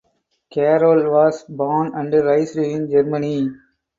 Carroll was born and raised in Germany.